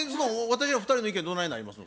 私ら２人の意見どないなりますの？